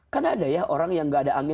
karena ada ya orang yang tidak ada angin